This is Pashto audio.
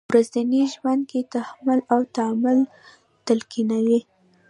په ورځني ژوند کې تحمل او تامل تلقینوي.